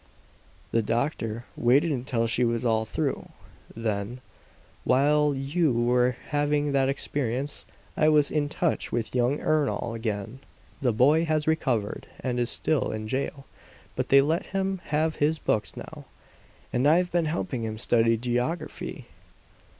The doctor waited until she was all through; then, "While you were having that experience I was in touch with young Ernol again. The boy has recovered and is still in jail, but they let him have his books now. And I've been helping him study geography."